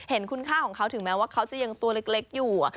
เห็นคุณค่าของเขาถึงแม้ว่าเขาจะยังตัวเล็กอยู่